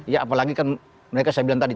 ya apalagi kan mereka saya bilang tadi